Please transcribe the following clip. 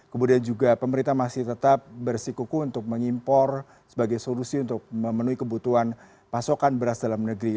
kemudian juga pemerintah masih tetap bersikuku untuk mengimpor sebagai solusi untuk memenuhi kebutuhan pasokan beras dalam negeri